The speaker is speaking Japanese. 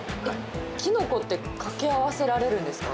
キノコってかけ合わせられるんですか？